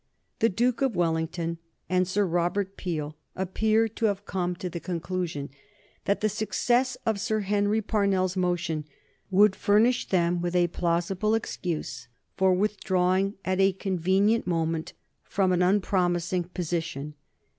The Duke of Wellington and Sir Robert Peel appear to have come to the conclusion that the success of Sir Henry Parnell's motion would furnish them with a plausible excuse for withdrawing at a convenient moment from an unpromising position.